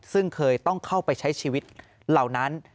ซึ่งเคยต้องเข้าไปใช้ชีวิตเหล่านั้น